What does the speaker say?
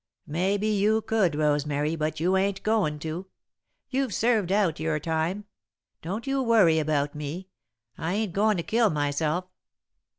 "Maybe you could, Rosemary, but you ain't goin' to. You've served out your time. Don't you worry about me I ain't goin' to kill myself."